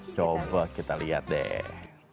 coba kita lihat deh